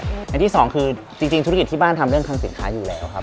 อันที่สองคือจริงธุรกิจที่บ้านทำเรื่องคลังสินค้าอยู่แล้วครับ